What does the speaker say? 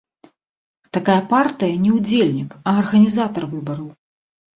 Такая партыя не ўдзельнік, а арганізатар выбараў.